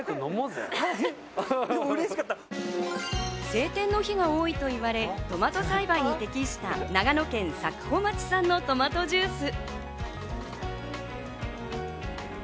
晴天の日が多いといわれ、トマト栽培に適した長野県佐久穂町産のトマトジュース。